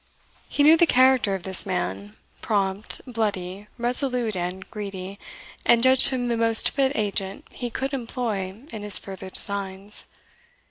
He knew the character of this man, prompt, bloody, resolute, and greedy, and judged him the most fit agent he could employ in his further designs.